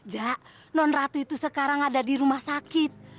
jak non ratu itu sekarang ada di rumah sakit